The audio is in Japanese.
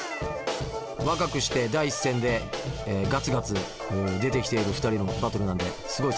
若くして第一線でガツガツ出てきている２人のバトルなのですごい楽しみです。